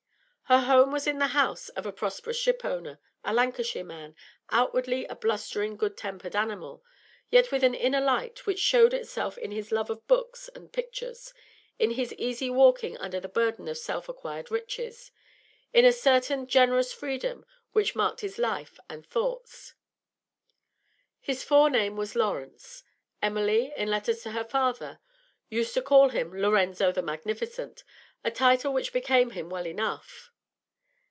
Her home was in the house of a prosperous ship owner, a Lancashire man, outwardly a blustering good tempered animal, yet with an inner light which showed itself in his love of books and pictures, in his easy walking under the burden of self acquired riches, in a certain generous freedom which marked his life and thoughts. His forename was Laurence: Emily, in letters to her father, used to call him Lorenzo the Magnificent, a title which became him well enough.